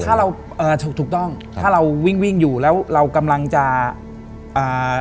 ถ้าเราเอ่อถูกถูกต้องถ้าเราวิ่งวิ่งอยู่แล้วเรากำลังจะอ่า